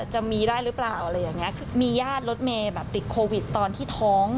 จะมีได้หรือเปล่าอะไรอย่างเงี้คือมีญาติรถเมย์แบบติดโควิดตอนที่ท้อง